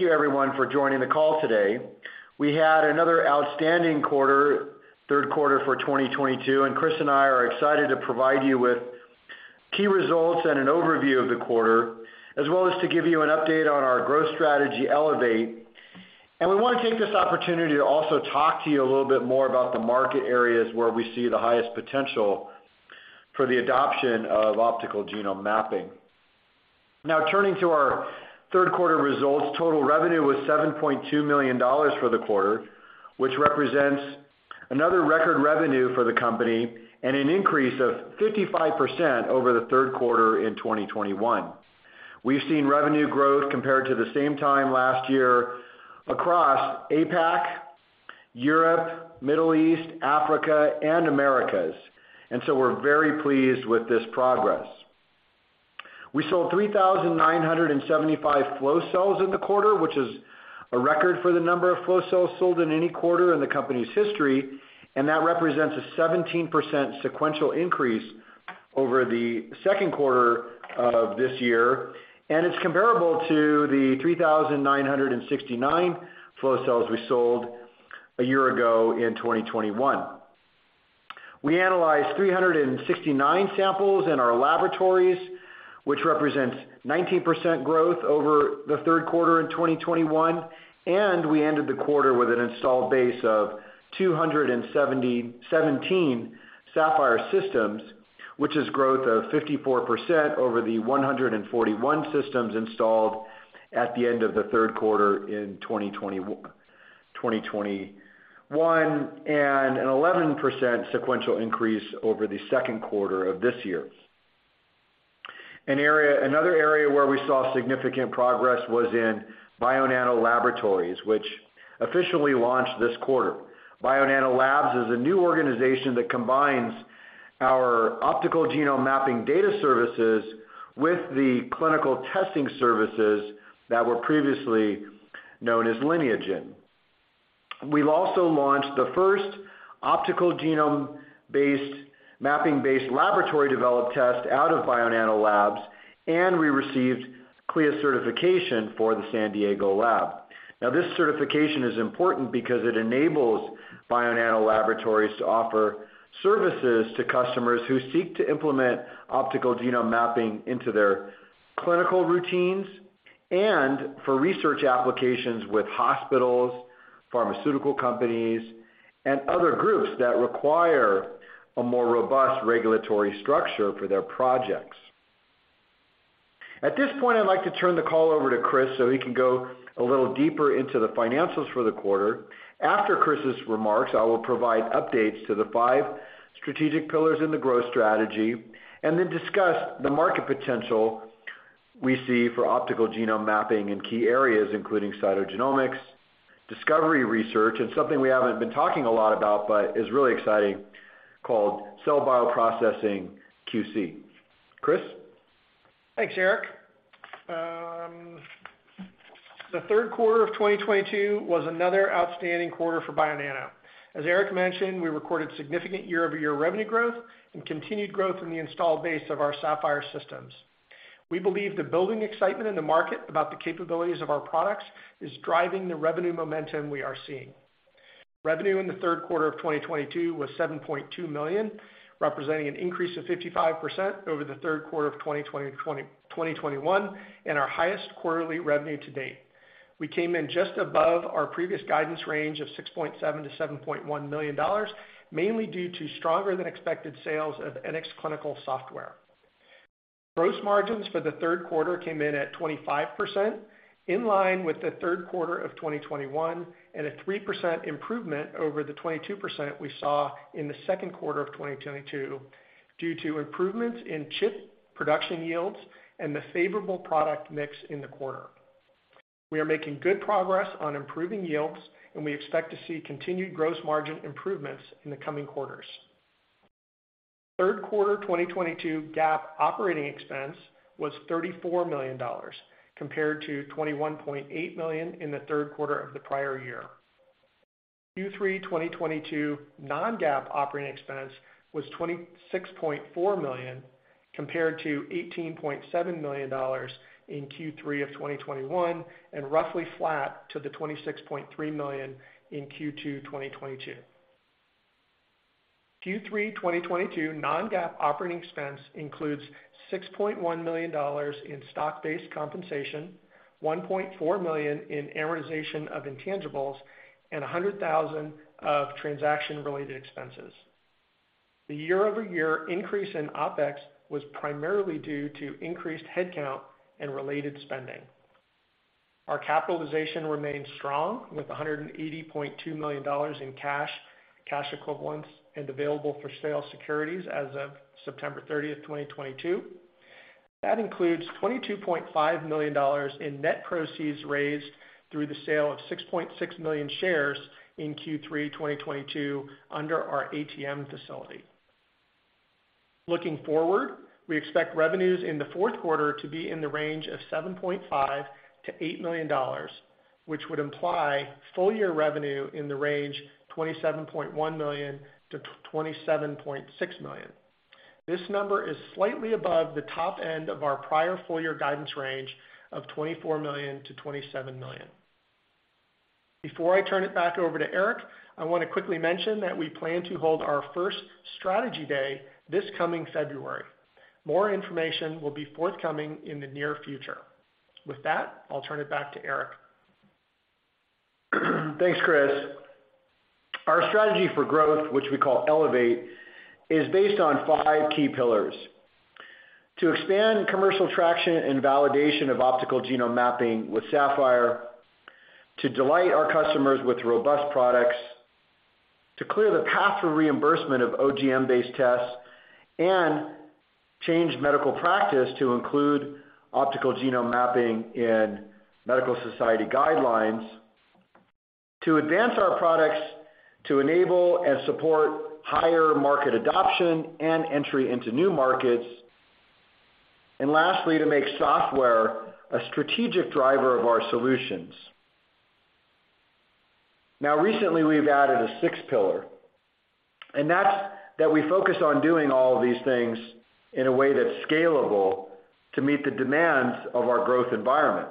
Thank you everyone for joining the call today. We had another outstanding quarter, third quarter for 2022, and Chris and I are excited to provide you with key results and an overview of the quarter, as well as to give you an update on our growth strategy, ELEVATE. We want to take this opportunity to also talk to you a little bit more about the market areas where we see the highest potential for the adoption of optical genome mapping. Now turning to our third quarter results, total revenue was $7.2 million for the quarter, which represents another record revenue for the company and an increase of 55% over the third quarter in 2021. We've seen revenue growth compared to the same time last year across APAC, Europe, Middle East, Africa, and Americas, and so we're very pleased with this progress. We sold 3,975 flow cells in the quarter, which is a record for the number of flow cells sold in any quarter in the company's history, and that represents a 17% sequential increase over the second quarter of this year. It's comparable to the 3,969 flow cells we sold a year ago in 2021. We analyzed 369 samples in our laboratories, which represents 19% growth over the third quarter in 2021, and we ended the quarter with an installed base of 217 Saphyr systems, which is growth of 54% over the 141 systems installed at the end of the third quarter in 2021, and an 11% sequential increase over the second quarter of this year. Another area where we saw significant progress was in Bionano Laboratories, which officially launched this quarter. Bionano Labs is a new organization that combines our optical genome mapping data services with the clinical testing services that were previously known as Lineagen. We've also launched the first optical genome-based, mapping-based laboratory developed test out of Bionano Labs, and we received CLIA certification for the San Diego lab. Now, this certification is important because it enables Bionano Laboratories to offer services to customers who seek to implement optical genome mapping into their clinical routines and for research applications with hospitals, pharmaceutical companies, and other groups that require a more robust regulatory structure for their projects. At this point, I'd like to turn the call over to Chris, so he can go a little deeper into the financials for the quarter. After Chris's remarks, I will provide updates to the five strategic pillars in the growth strategy and then discuss the market potential we see for optical genome mapping in key areas, including cytogenomics, discovery research, and something we haven't been talking a lot about but is really exciting, called cell bioprocessing QC. Chris? Thanks, Erik. The third quarter of 2022 was another outstanding quarter for Bionano. As Erik mentioned, we recorded significant year-over-year revenue growth and continued growth in the installed base of our Saphyr systems. We believe the building excitement in the market about the capabilities of our products is driving the revenue momentum we are seeing. Revenue in the third quarter of 2022 was $7.2 million, representing an increase of 55% over the third quarter of 2021, and our highest quarterly revenue to date. We came in just above our previous guidance range of $6.7-$7.1 million, mainly due to stronger than expected sales of NxClinical software. Gross margins for the third quarter came in at 25%, in line with the third quarter of 2021, and a 3% improvement over the 22% we saw in the second quarter of 2022, due to improvements in chip production yields and the favorable product mix in the quarter. We are making good progress on improving yields, and we expect to see continued gross margin improvements in the coming quarters. Third quarter 2022 GAAP operating expense was $34 million, compared to $21.8 million in the third quarter of the prior year. Q3 2022 Non-GAAP operating expense was $26.4 million, compared to $18.7 million in Q3 of 2021, and roughly flat to the $26.3 million in Q2 2022. Q3 2022 Non-GAAP operating expense includes $6.1 million in stock-based compensation, $1.4 million in amortization of intangibles, and $100,000 of transaction-related expenses. The year-over-year increase in OpEx was primarily due to increased headcount and related spending. Our capitalization remains strong, with $180.2 million in cash equivalents, and available for sale securities as of September 30th, 2022. That includes $22.5 million in net proceeds raised through the sale of 6.6 million shares in Q3 2022 under our ATM facility. Looking forward, we expect revenues in the fourth quarter to be in the range of $7.5-$8 million, which would imply full year revenue in the range $27.1-$27.6 million. This number is slightly above the top end of our prior full year guidance range of $24-$27 million. Before I turn it back over to Erik, I want to quickly mention that we plan to hold our first strategy day this coming February. More information will be forthcoming in the near future. With that, I'll turn it back to Erik. Thanks, Chris. Our strategy for growth, which we call Elevate, is based on five key pillars. To expand commercial traction and validation of optical genome mapping with Saphyr, to delight our customers with robust products, to clear the path for reimbursement of OGM-based tests, and change medical practice to include optical genome mapping in medical society guidelines, to advance our products to enable and support higher market adoption and entry into new markets, and lastly, to make software a strategic driver of our solutions. Now recently, we've added a sixth pillar, and that's that we focus on doing all of these things in a way that's scalable to meet the demands of our growth environment.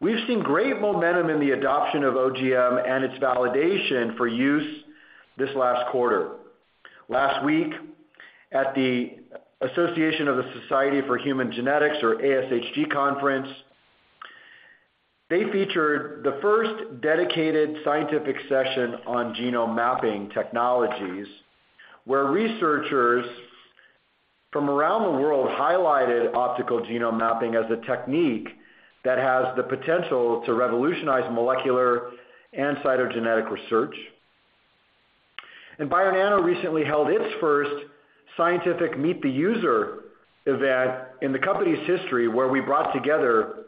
We've seen great momentum in the adoption of OGM and its validation for use this last quarter. Last week, at the American Society of Human Genetics, or ASHG Conference, they featured the first dedicated scientific session on genome mapping technologies, where researchers from around the world highlighted optical genome mapping as a technique that has the potential to revolutionize molecular and cytogenetic research. Bionano recently held its first scientific meet the user event in the company's history, where we brought together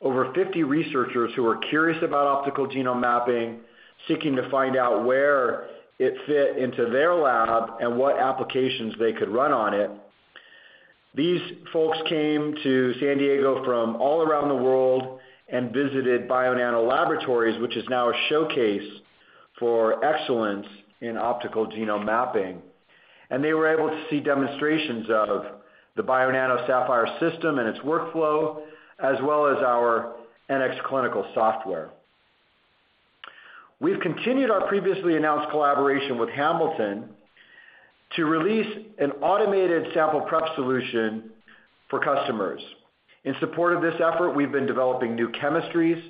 over 50 researchers who are curious about optical genome mapping, seeking to find out where it fit into their lab and what applications they could run on it. These folks came to San Diego from all around the world and visited Bionano Laboratories, which is now a showcase for excellence in optical genome mapping. They were able to see demonstrations of the Bionano Saphyr system and its workflow, as well as our NxClinical software. We've continued our previously announced collaboration with Hamilton to release an automated sample prep solution for customers. In support of this effort, we've been developing new chemistries,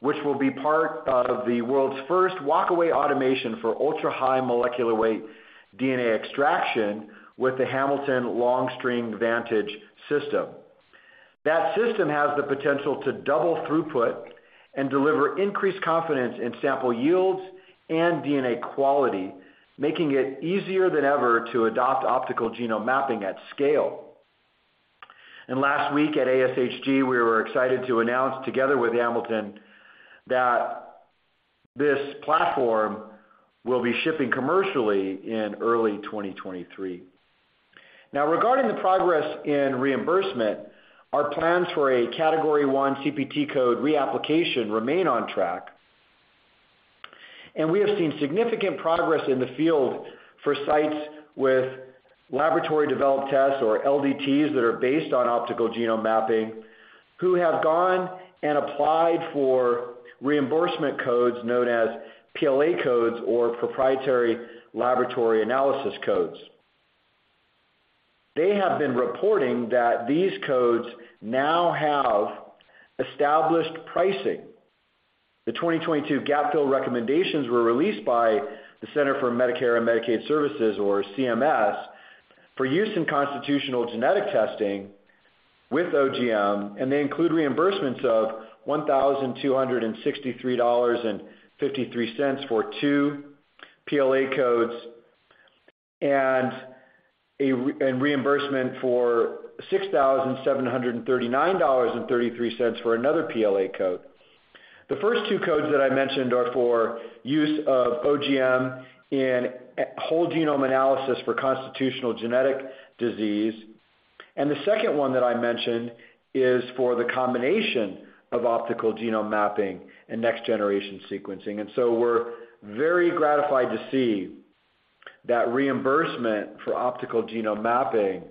which will be part of the world's first walkaway automation for ultra-high molecular weight DNA extraction with the Hamilton Long String VANTAGE system. That system has the potential to double throughput and deliver increased confidence in sample yields and DNA quality, making it easier than ever to adopt optical genome mapping at scale. Last week at ASHG, we were excited to announce together with Hamilton, that this platform will be shipping commercially in early 2023. Now regarding the progress in reimbursement, our plans for a category one CPT code reapplication remain on track, and we have seen significant progress in the field for sites with laboratory developed tests, or LDTs, that are based on optical genome mapping, who have gone and applied for reimbursement codes known as PLA codes or proprietary laboratory analysis codes. They have been reporting that these codes now have established pricing. The 2022 gap fill recommendations were released by the Centers for Medicare & Medicaid Services, or CMS, for use in constitutional genetic testing with OGM, and they include reimbursements of $1,263.53 for two PLA codes, and a reimbursement for $6,739.33 for another PLA code. The first two codes that I mentioned are for use of OGM in whole genome analysis for constitutional genetic disease, and the second one that I mentioned is for the combination of optical genome mapping and next-generation sequencing. We're very gratified to see that reimbursement for optical genome mapping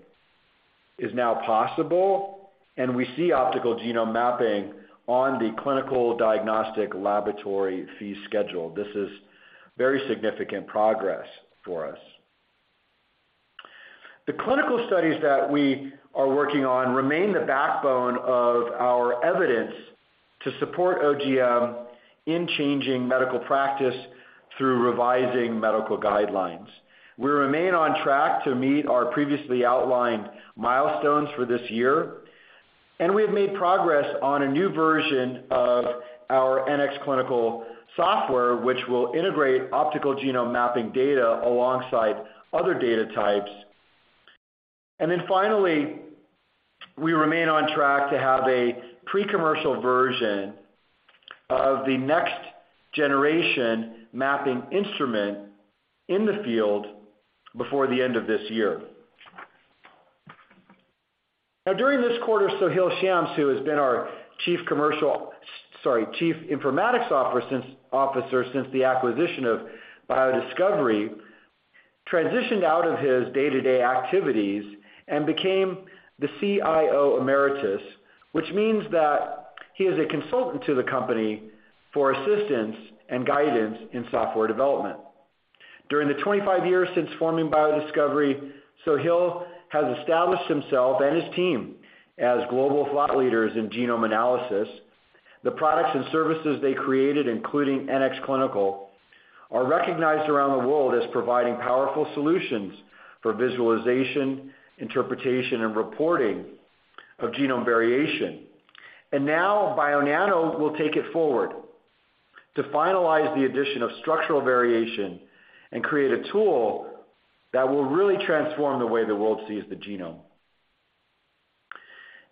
is now possible, and we see optical genome mapping on the clinical diagnostic laboratory fee schedule. This is very significant progress for us. The clinical studies that we are working on remain the backbone of our evidence to support OGM in changing medical practice through revising medical guidelines. We remain on track to meet our previously outlined milestones for this year, and we have made progress on a new version of our NxClinical software, which will integrate optical genome mapping data alongside other data types. Finally, we remain on track to have a pre-commercial version of the next generation mapping instrument in the field before the end of this year. Now during this quarter, Soheil Shams, who has been our Chief Informatics Officer since the acquisition of BioDiscovery, transitioned out of his day-to-day activities and became the CIO Emeritus, which means that he is a consultant to the company for assistance and guidance in software development. During the 25 years since forming BioDiscovery, Soheil has established himself and his team as global thought leaders in genome analysis. The products and services they created, including NxClinical, are recognized around the world as providing powerful solutions for visualization, interpretation, and reporting of genome variation. Now Bionano will take it forward to finalize the addition of structural variation and create a tool that will really transform the way the world sees the genome.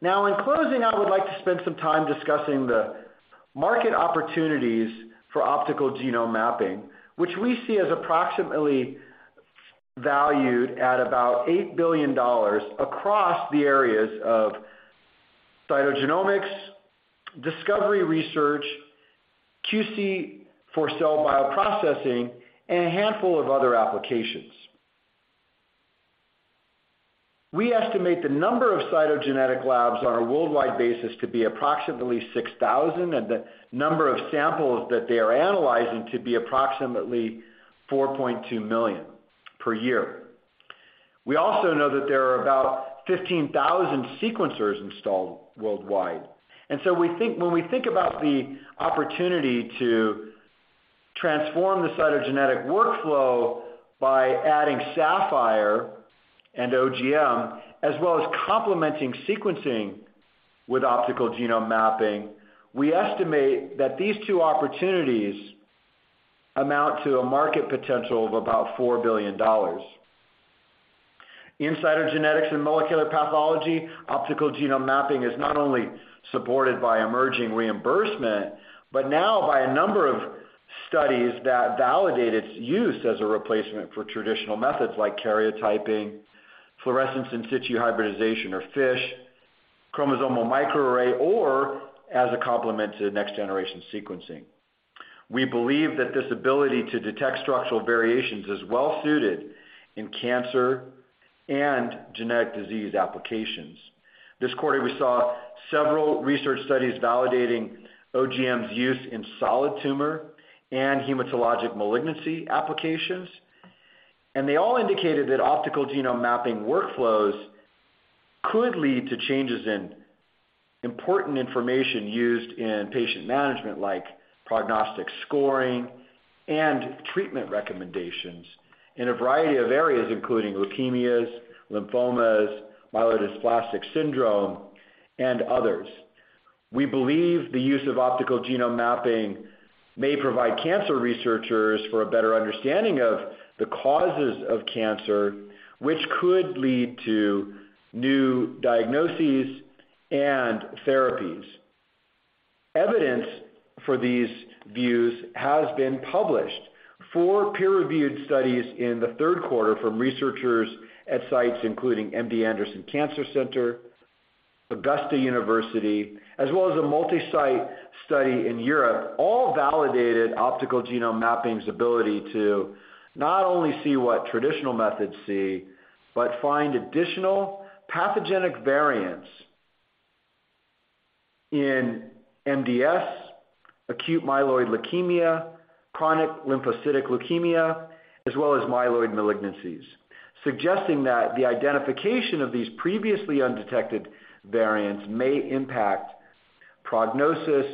Now in closing, I would like to spend some time discussing the market opportunities for optical genome mapping, which we see as approximately valued at about $8 billion across the areas of cytogenomics, discovery research, QC for cell bioprocessing, and a handful of other applications. We estimate the number of cytogenetic labs on a worldwide basis to be approximately 6,000 cytogenetic labs, and the number of samples that they are analyzing to be approximately 4.2 million per year. We also know that there are about 15,000 sequencers installed worldwide. We think about the opportunity to transform the cytogenetic workflow by adding Saphyr and OGM, as well as complementing sequencing with optical genome mapping, we estimate that these two opportunities amount to a market potential of about $4 billion. In cytogenetics and molecular pathology, optical genome mapping is not only supported by emerging reimbursement, but now by a number of studies that validate its use as a replacement for traditional methods like karyotyping, fluorescence in situ hybridization or FISH, chromosomal microarray, or as a complement to next-generation sequencing. We believe that this ability to detect structural variations is well suited in cancer and genetic disease applications. This quarter, we saw several research studies validating OGM's use in solid tumor and hematologic malignancy applications. They all indicated that optical genome mapping workflows could lead to changes in important information used in patient management, like prognostic scoring and treatment recommendations in a variety of areas, including leukemias, lymphomas, myelodysplastic syndrome, and others. We believe the use of optical genome mapping may provide cancer researchers for a better understanding of the causes of cancer, which could lead to new diagnoses and therapies. Evidence for these views has been published. Four peer-reviewed studies in the third quarter from researchers at sites including MD Anderson Cancer Center, Augusta University, as well as a multi-site study in Europe, all validated optical genome mapping's ability to not only see what traditional methods see, but find additional pathogenic variants in MDS, acute myeloid leukemia, chronic lymphocytic leukemia, as well as myeloid malignancies, suggesting that the identification of these previously undetected variants may impact prognosis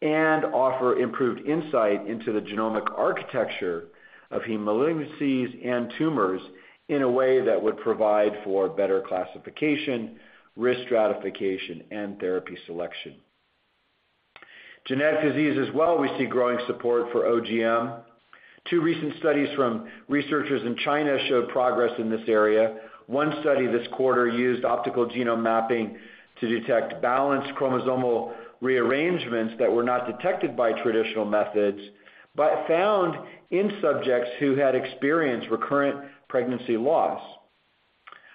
and offer improved insight into the genomic architecture of heme malignancies and tumors in a way that would provide for better classification, risk stratification, and therapy selection. Genetic disease as well, we see growing support for OGM. Two recent studies from researchers in China showed progress in this area. One study this quarter used optical genome mapping to detect balanced chromosomal rearrangements that were not detected by traditional methods, but found in subjects who had experienced recurrent pregnancy loss.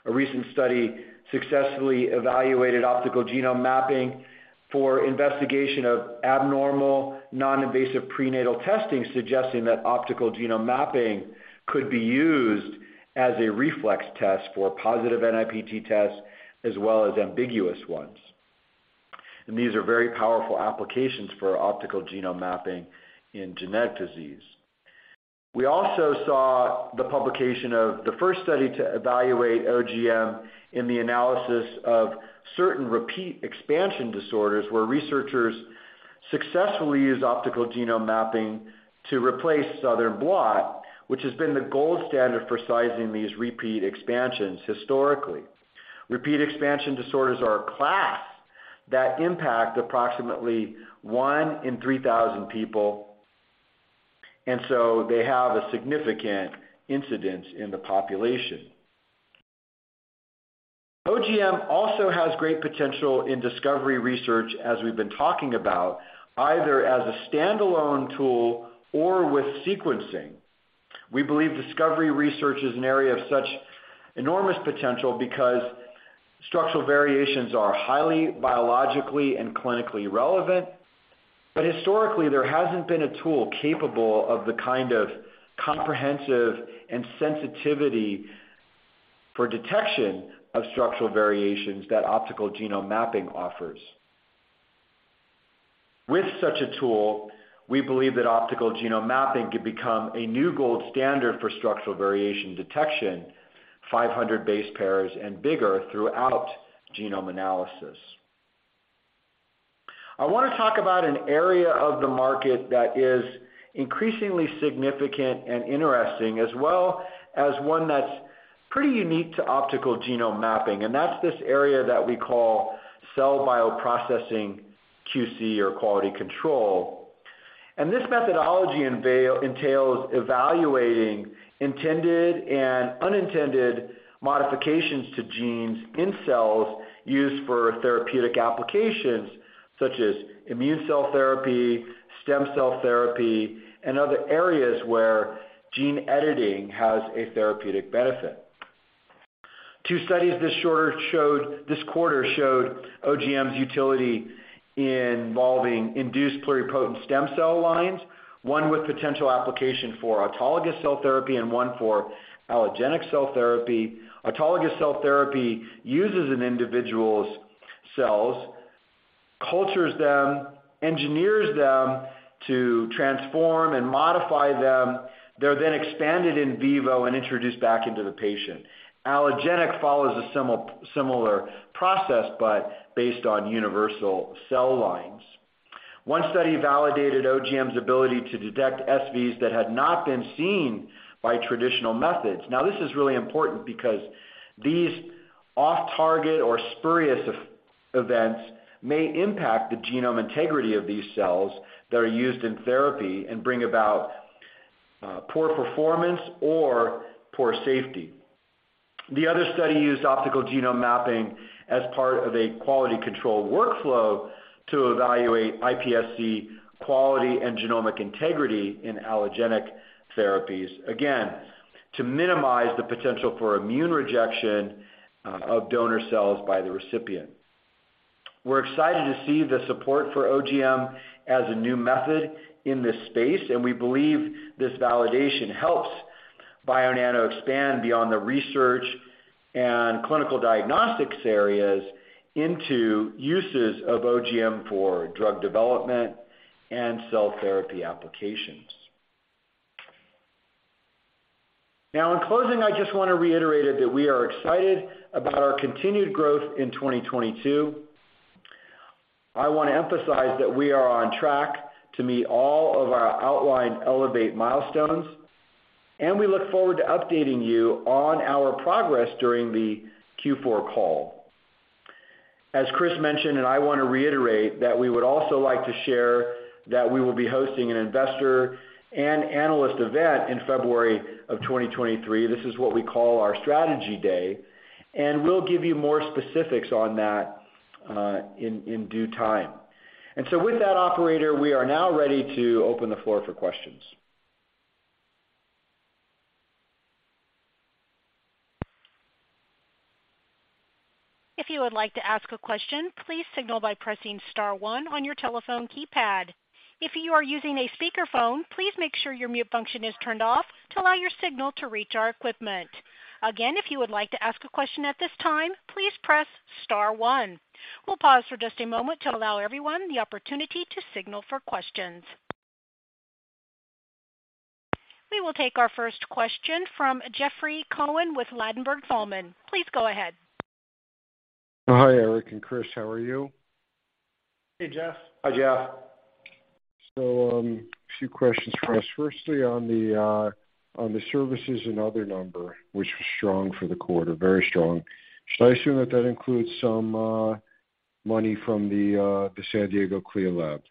A recent study successfully evaluated optical genome mapping for investigation of abnormal non-invasive prenatal testing, suggesting that optical genome mapping could be used as a reflex test for positive NIPT tests, as well as ambiguous ones. These are very powerful applications for optical genome mapping in genetic disease. We also saw the publication of the first study to evaluate OGM in the analysis of certain repeat expansion disorders, where researchers successfully used optical genome mapping to replace Southern blot, which has been the gold standard for sizing these repeat expansions historically. Repeat expansion disorders are a class that impact approximately one person in 3,000 people, and so they have a significant incidence in the population. OGM also has great potential in discovery research, as we've been talking about, either as a standalone tool or with sequencing. We believe discovery research is an area of such enormous potential because structural variations are highly biologically and clinically relevant. Historically, there hasn't been a tool capable of the kind of comprehensive and sensitive for detection of structural variations that optical genome mapping offers. With such a tool, we believe that optical genome mapping could become a new gold standard for structural variation detection, 500 base pairs and bigger throughout genome analysis. I wanna talk about an area of the market that is increasingly significant and interesting, as well as one that's pretty unique to optical genome mapping, and that's this area that we call cell bioprocessing QC or quality control. This methodology entails evaluating intended and unintended modifications to genes in cells used for therapeutic applications such as immune cell therapy, stem cell therapy, and other areas where gene editing has a therapeutic benefit. Two studies this quarter showed OGM's utility involving induced pluripotent stem cell lines, one with potential application for autologous cell therapy and one for allogeneic cell therapy. Autologous cell therapy uses an individual's cells, cultures them, engineers them to transform and modify them. They're then expanded in vivo and introduced back into the patient. Allogeneic follows a similar process, but based on universal cell lines. One study validated OGM's ability to detect SVs that had not been seen by traditional methods. Now, this is really important because these off-target or spurious events may impact the genome integrity of these cells that are used in therapy and bring about poor performance or poor safety. The other study used optical genome mapping as part of a quality control workflow to evaluate iPSC quality and genomic integrity in allogeneic therapies, again, to minimize the potential for immune rejection of donor cells by the recipient. We're excited to see the support for OGM as a new method in this space, and we believe this validation helps Bionano expand beyond the research and clinical diagnostics areas into uses of OGM for drug development and cell therapy applications. Now in closing, I just wanna reiterate that we are excited about our continued growth in 2022. I wanna emphasize that we are on track to meet all of our outlined Elevate milestones, and we look forward to updating you on our progress during the Q4 call. As Chris mentioned, and I wanna reiterate that we would also like to share that we will be hosting an investor and analyst event in February of 2023. This is what we call our strategy day, and we'll give you more specifics on that, in due time. With that, operator, we are now ready to open the floor for questions. If you would like to ask a question, please signal by pressing star one on your telephone keypad. If you are using a speakerphone, please make sure your mute function is turned off to allow your signal to reach our equipment. Again, if you would like to ask a question at this time, please press star one. We'll pause for just a moment to allow everyone the opportunity to signal for questions. We will take our first question from Jeffrey Cohen with Ladenburg Thalmann. Please go ahead. Hi, Erik and Chris. How are you? Hey, Jeff. Hi, Jeff. A few questions for us. Firstly, on the services and other number, which was strong for the quarter, very strong. Should I assume that includes some money from the San Diego CLIA lab?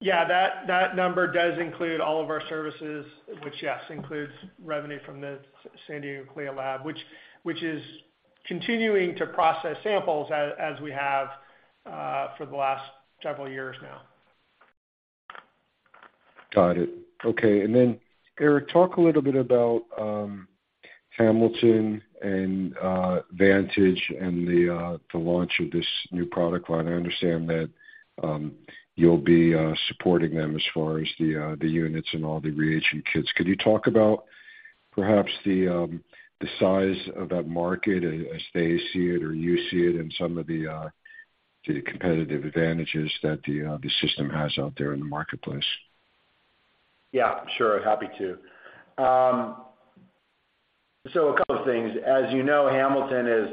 Yeah, that number does include all of our services, which yes includes revenue from the San Diego CLIA lab, which is continuing to process samples as we have for the last several years now. Got it. Okay. Then Erik, talk a little bit about Hamilton and Vantage and the launch of this new product line. I understand that you'll be supporting them as far as the units and all the reagent kits. Could you talk about perhaps the size of that market as they see it or you see it, and some of the competitive advantages that the system has out there in the marketplace? Yeah, sure. Happy to. A couple of things. As you know, Hamilton is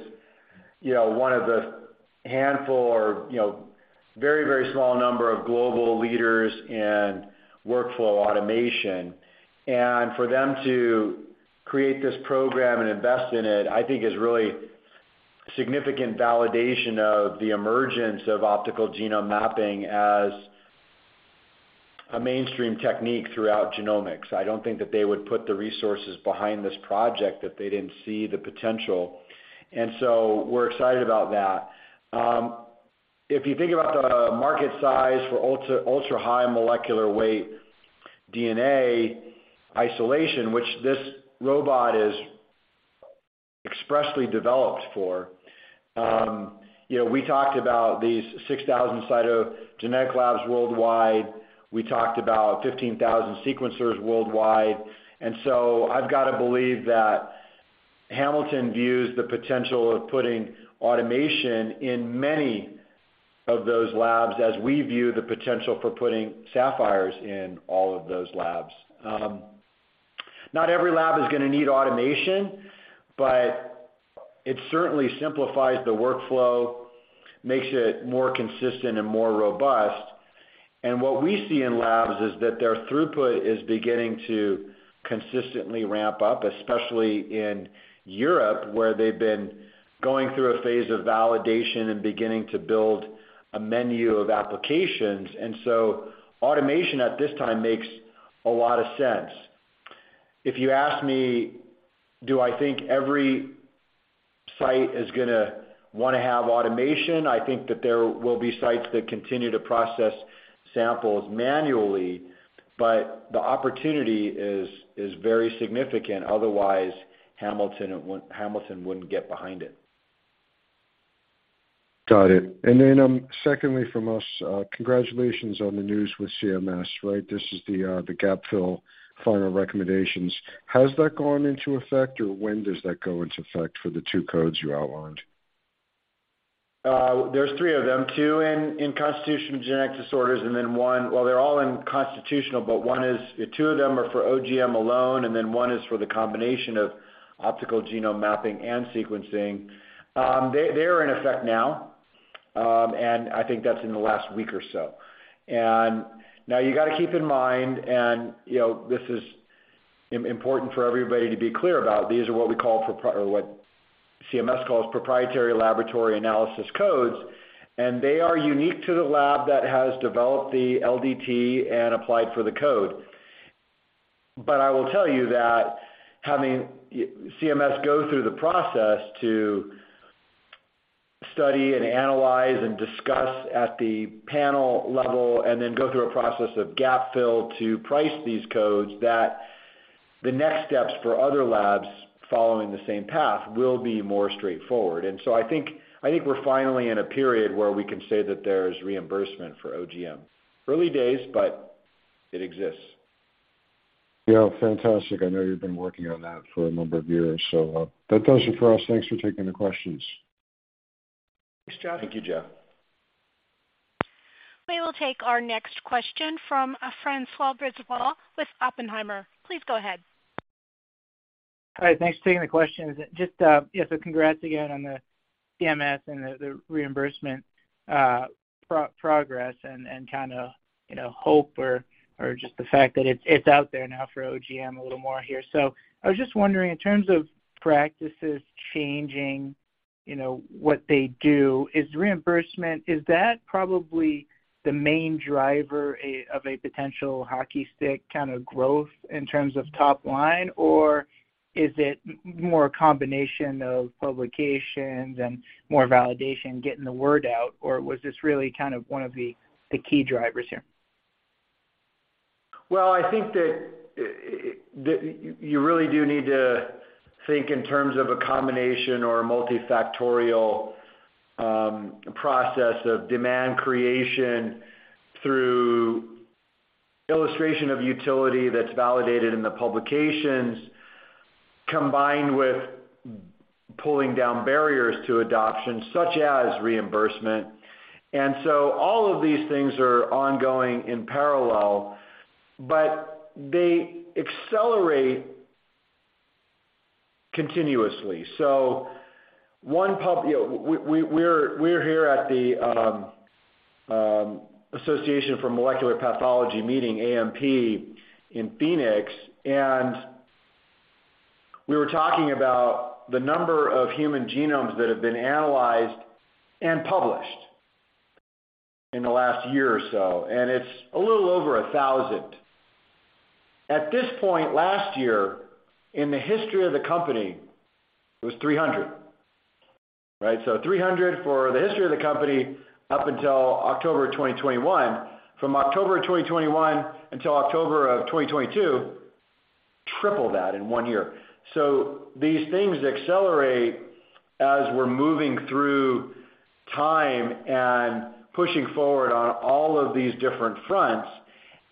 one of the handful or very small number of global leaders in workflow automation. For them to create this program and invest in it, I think is really significant validation of the emergence of optical genome mapping as a mainstream technique throughout genomics. I don't think that they would put the resources behind this project if they didn't see the potential. We're excited about that. If you think about the market size for ultra-high molecular weight DNA isolation, which this robot is expressly developed for, we talked about these 6,000 cytogenetic labs worldwide. We talked about 15,000 sequencers worldwide. I've got to believe that Hamilton views the potential of putting automation in many of those labs, as we view the potential for putting Saphyr in all of those labs. Not every lab is gonna need automation, but it certainly simplifies the workflow, makes it more consistent and more robust. What we see in labs is that their throughput is beginning to consistently ramp up, especially in Europe, where they've been going through a phase of validation and beginning to build a menu of applications. Automation at this time makes a lot of sense. If you ask me, do I think every site is gonna wanna have automation? I think that there will be sites that continue to process samples manually, but the opportunity is very significant. Otherwise, Hamilton wouldn't get behind it. Got it. Secondly from us, congratulations on the news with CMS, right? This is the gap fill final recommendations. Has that gone into effect or when does that go into effect for the two codes you outlined? There's three of them. Two in constitutional genetic disorders, and then one. Well, they're all in constitutional, but two of them are for OGM alone, and then one is for the combination of optical genome mapping and sequencing. They are in effect now, and I think that's in the last week or so. Now you gotta keep in mind, you know, this is important for everybody to be clear about, these are what we call or what CMS calls proprietary laboratory analysis codes, and they are unique to the lab that has developed the LDT and applied for the code. I will tell you that having CMS go through the process to study and analyze and discuss at the panel level, and then go through a process of gap fill to price these codes, that the next steps for other labs following the same path will be more straightforward. I think we're finally in a period where we can say that there's reimbursement for OGM. Early days, but it exists. Yeah. Fantastic. I know you've been working on that for a number of years. That does it for us. Thanks for taking the questions. Thanks, Jeff. Thank you, Jeff. We will take our next question from François Brisebois with Oppenheimer. Please go ahead. Hi. Thanks for taking the questions. Just, so congrats again on the CMS and the reimbursement progress and kinda, you know, hope or just the fact that it's out there now for OGM a little more here. I was just wondering, in terms of practices changing, you know, what they do, is reimbursement probably the main driver of a potential hockey stick kind of growth in terms of top line? Or is it more a combination of publications and more validation, getting the word out, or was this really kind of one of the key drivers here? Well, I think that you really do need to think in terms of a combination or a multifactorial process of demand creation through illustration of utility that's validated in the publications, combined with pulling down barriers to adoption, such as reimbursement. All of these things are ongoing in parallel, but they accelerate continuously. We're here at the Association for Molecular Pathology meeting, AMP, in Phoenix, and we were talking about the number of human genomes that have been analyzed and published in the last year or so, and it's a little over 1,000 human genomes. At this point last year, in the history of the company, it was 300 human genomes, right? 300 human genomes for the history of the company up until October 2021. From October 2021 until October of 2022, triple that in one year. These things accelerate as we're moving through time and pushing forward on all of these different fronts,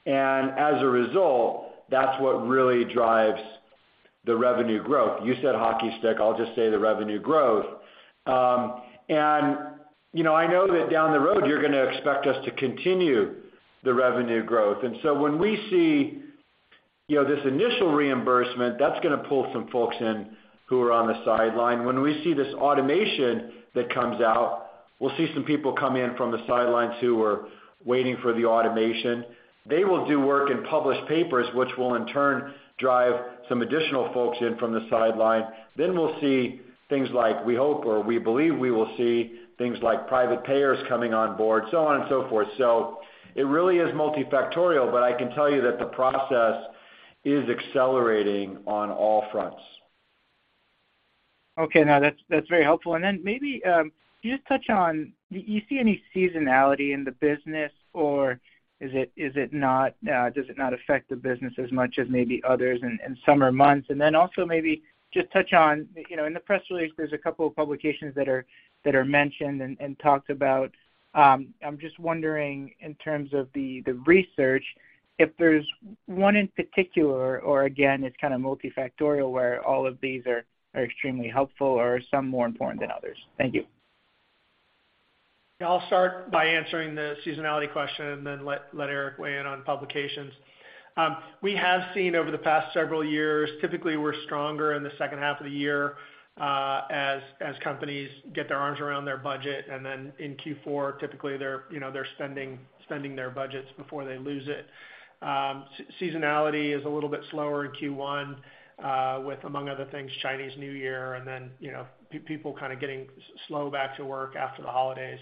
and as a result, that's what really drives the revenue growth. You said hockey stick, I'll just say the revenue growth. You know, I know that down the road, you're gonna expect us to continue the revenue growth. When we see, you know, this initial reimbursement, that's gonna pull some folks in who are on the sideline. When we see this automation that comes out, we'll see some people come in from the sidelines who were waiting for the automation. They will do work and publish papers, which will in turn drive some additional folks in from the sideline. We'll see things like we hope or we believe we will see things like private payers coming on board, so on and so forth. It really is multifactorial, but I can tell you that the process is accelerating on all fronts. Okay. No, that's very helpful. Maybe can you just touch on, do you see any seasonality in the business, or does it not affect the business as much as maybe others in summer months? Also maybe just touch on, you know, in the press release, there's a couple of publications that are mentioned and talked about. I'm just wondering, in terms of the research, if there's one in particular, or again, it's kind of multifactorial where all of these are extremely helpful or are some more important than others? Thank you. Yeah, I'll start by answering the seasonality question and then let Erik weigh in on publications. We have seen over the past several years, typically we're stronger in the second half of the year, as companies get their arms around their budget, and then in Q4, typically they're, you know, spending their budgets before they lose it. Seasonality is a little bit slower in Q1, with, among other things, Chinese New Year and then, you know, people kind of getting slowly back to work after the holidays.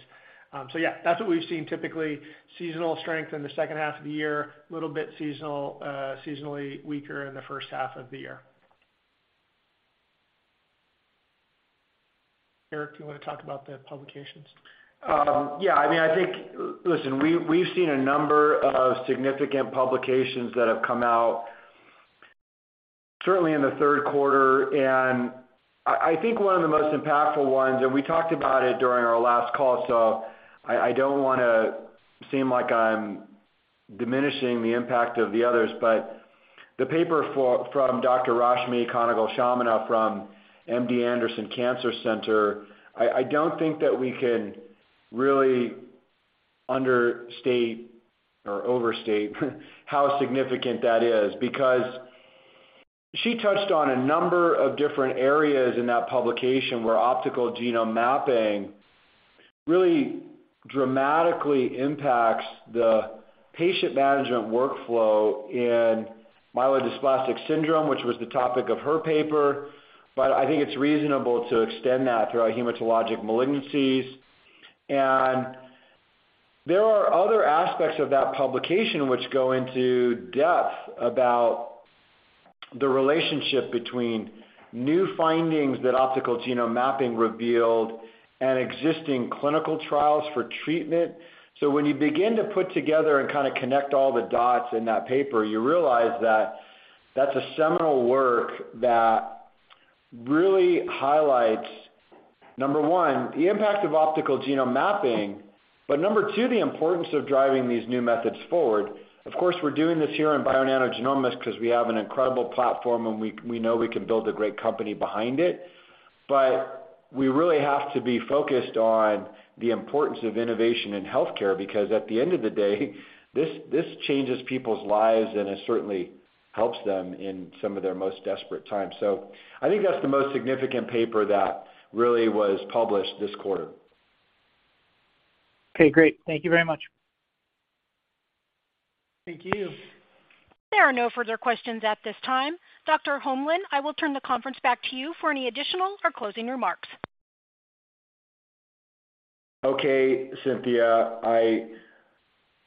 Yeah, that's what we've seen. Typically, seasonal strength in the second half of the year, little bit seasonal, seasonally weaker in the first half of the year. Erik, do you wanna talk about the publications? Yeah, I mean, I think, listen, we've seen a number of significant publications that have come out certainly in the third quarter. I think one of the most impactful ones, and we talked about it during our last call, so I don't wanna seem like I'm diminishing the impact of the others, but the paper from Dr. Rashmi Kanagal-Shamanna from MD Anderson Cancer Center, I don't think that we can really understate or overstate how significant that is, because she touched on a number of different areas in that publication where optical genome mapping really dramatically impacts the patient management workflow in myelodysplastic syndrome, which was the topic of her paper, but I think it's reasonable to extend that throughout hematologic malignancies. There are other aspects of that publication which go into depth about the relationship between new findings that optical genome mapping revealed and existing clinical trials for treatment. When you begin to put together and kind of connect all the dots in that paper, you realize that that's a seminal work that really highlights, number one, the impact of optical genome mapping, but number two, the importance of driving these new methods forward. Of course, we're doing this here in Bionano Genomics 'cause we have an incredible platform, and we know we can build a great company behind it. We really have to be focused on the importance of innovation in healthcare because at the end of the day, this changes people's lives, and it certainly helps them in some of their most desperate times. I think that's the most significant paper that really was published this quarter. Okay, great. Thank you very much. Thank you. There are no further questions at this time. Dr. Holmlin, I will turn the conference back to you for any additional or closing remarks. Okay, Cynthia, I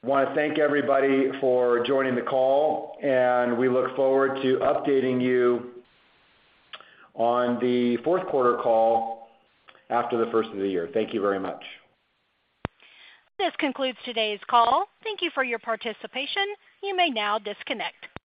wanna thank everybody for joining the call, and we look forward to updating you on the fourth quarter call after the first of the year. Thank you very much. This concludes today's call. Thank you for your participation. You may now disconnect.